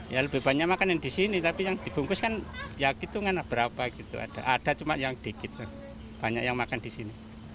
ya lebih banyak makan yang di sini tapi yang dibungkus kan ya gitu kan berapa gitu ada cuma yang dikit banyak yang makan di sini